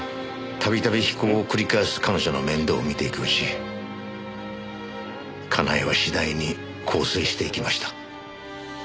度々非行を繰り返す彼女の面倒を見ていくうち佳苗は次第に更生していきました。